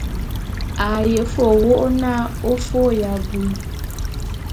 A ye ve wo n'a ô fôé abui.